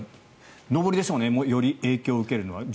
上りでしょうねより影響を受けるのは。